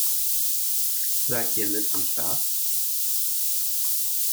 Seid ihr mit am Start?